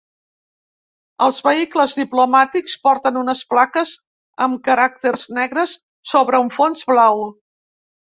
Els vehicles diplomàtics porten unes plaques amb caràcters negres sobre un fons blau.